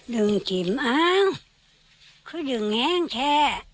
ดึงจิบอ้างคือดึงแห้งแท้